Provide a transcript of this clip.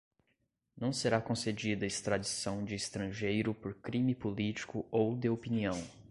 não será concedida extradição de estrangeiro por crime político ou de opinião;